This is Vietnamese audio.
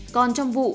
còn trong vụ